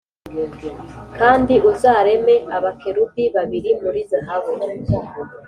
Kandi uzareme abakerubi babiri muri zahabu